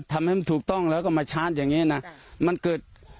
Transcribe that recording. ทำให้มันถูกต้องแล้วก็มาชาร์จอย่างเงี้นะมันเกิด